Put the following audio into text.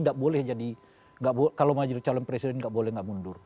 gak boleh jadi kalau mau jadi calon presiden gak boleh gak mundur